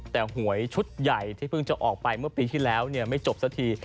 แต่หวยชุดใหญ่ที่เพิ่งจะออกไปเมื่อปีที่แล้วไม่จบสักที